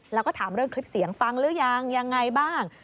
แล้วก็ถามเรื่องคลิปเสียงฟังหรือยังยังไงบ้าง